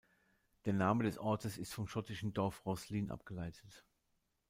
Der Name des Ortes ist vom schottischen Dorf Roslin abgeleitet.